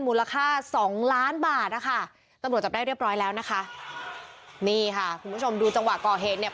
มูลค่าสองล้านบาทนะคะตำรวจจับได้เรียบร้อยแล้วนะคะนี่ค่ะคุณผู้ชมดูจังหวะก่อเหตุเนี่ย